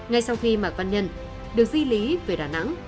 ngay sau khi mạc văn nhân được di lý về đà nẵng